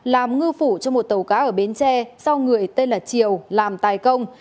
làm ngư phủ cho một tàu cá ở bến tre sau người tên là triều làm tài công